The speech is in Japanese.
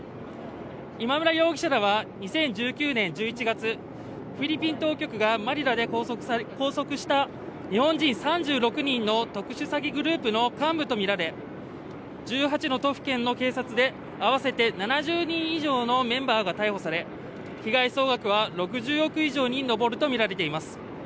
今村容疑者らは２０１９年１１月フィリピン当局がマニラで拘束した日本人３６人の特殊詐欺グループの幹部とみられ１８の都府県の警察で合わせて７０人以上のメンバーが逮捕され被害総額は６０億円以上に上るとみられています。